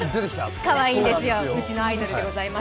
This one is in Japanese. かわいいんですよ、うちのアイドルでございます。